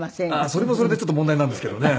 それもそれで問題なんですけどね。